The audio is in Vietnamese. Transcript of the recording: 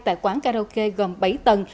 tại quán karaoke gồm bảy tầng